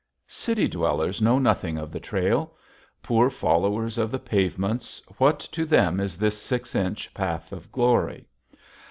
City dwellers know nothing of the trail. Poor followers of the pavements, what to them is this six inch path of glory?